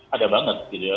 ada banget gitu ya